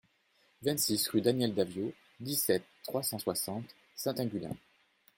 vingt-six rue Daniel Daviaud, dix-sept, trois cent soixante, Saint-Aigulin